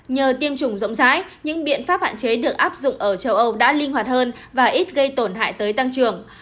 nhờ tiêm chủng rộng rãi những biện pháp hạn chế được áp dụng ở châu âu đã linh hoạt hơn và ít gây tổn hại tới tăng trưởng